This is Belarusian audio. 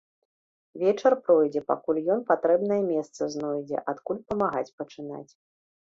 Вечар пройдзе, пакуль ён патрэбнае месца знойдзе, адкуль памагаць пачынаць.